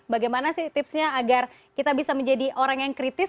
bagaimana sih tipsnya agar kita bisa menjadi orang yang kritis